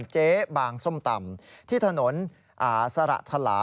เจ๊บางส้มตำที่ถนนสระทลา